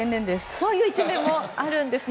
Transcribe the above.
そういう一面もあるんですね。